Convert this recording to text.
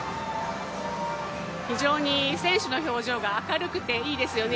非常に選手の表情が明るくていいですよね。